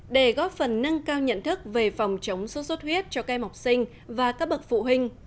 để góp phần nâng cao nhận thức về phòng chống sốt xuất huyết cho các em học sinh và các bậc phụ huynh